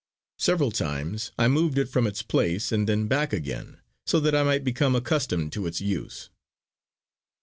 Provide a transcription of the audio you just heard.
Several times I moved it from its place and then back again, so that I might become accustomed to its use.